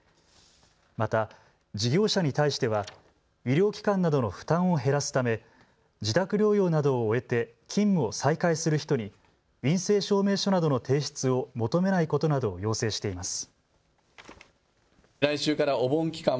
また、事業者に対しては医療機関などの負担を減らすため自宅療養などを終えて勤務を再開する人に陰性証明書などの提出を求めないことなどを要請しています。